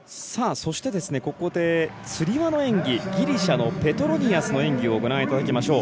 そしてここでつり輪の演技、ギリシャのペトロニアスの演技をご覧いただきましょう。